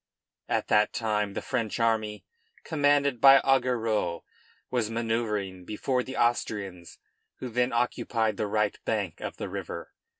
At that time the French army, commanded by Augereau, was manoeuvring before the Austrians, who then occupied the right bank of the river.